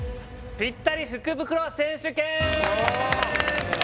ぴったり福袋選手権！